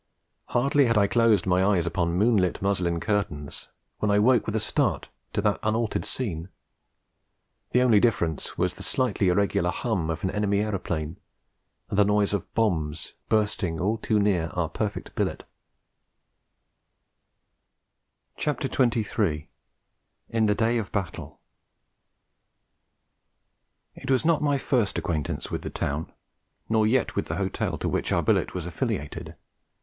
Hardly had I closed my eyes upon the moonlit muslin curtains, when I woke with a start to that unaltered scene. The only difference was the slightly irregular hum of an enemy aeroplane, and the noise of bombs bursting all too near our perfect billet. IN THE DAY OF BATTLE It was not my first acquaintance with the town, nor yet with the hotel to which our billet was affiliated.